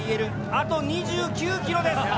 あと２９ｋｍです。